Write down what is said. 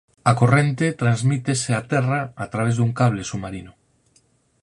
A corrente transmítese á terra a través dun cable submarino.